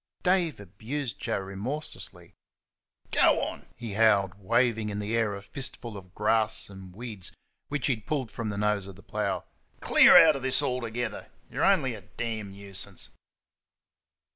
Dave abused Joe remorselessly. "Go on!" he howled, waving in the air a fistful of grass and weeds which he had pulled from the nose of the plough; "clear out of this altogether! you're only a damn nuisance."